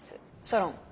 ソロン。